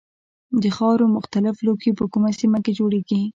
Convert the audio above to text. د خاورو مختلف لوښي په کومه سیمه کې جوړیږي.